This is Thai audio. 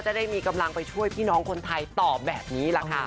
ได้มีกำลังไปช่วยพี่น้องคนไทยต่อแบบนี้แหละค่ะ